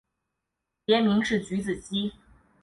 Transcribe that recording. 别名是菊子姬。